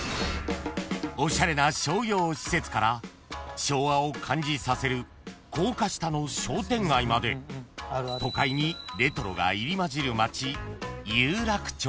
［おしゃれな商業施設から昭和を感じさせる高架下の商店街まで都会にレトロが入り交じる街］